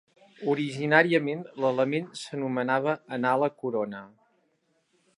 Originàriament, l'element s'anomenava Anala Corona.